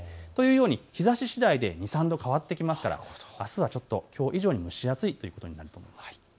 日ざししだいで２、３度変わってきますから、あすはちょっときょう以上に蒸し暑いということになりそうです。